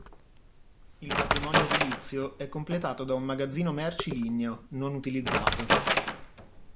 Il patrimonio edilizio è completato da un magazzino merci ligneo, non utilizzato.